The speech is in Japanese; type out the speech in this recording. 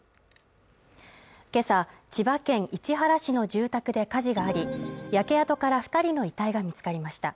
今朝、千葉県市原市の住宅で火事があり焼け跡から２人の遺体が見つかりました。